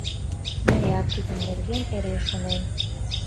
Мыят тидын нерген эре шонем...